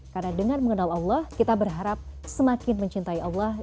karena dengan mengenal allah kita berharap semakin mencintai allah